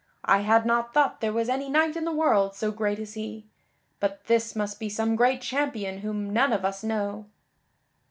I had not thought there was any knight in the world so great as he; but this must be some great champion whom none of us know."